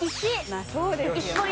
まあそうですよね。